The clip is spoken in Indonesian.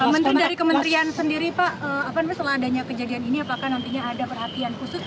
menteri dari kementerian sendiri pak setelah adanya kejadian ini apakah nantinya ada perhatian khusus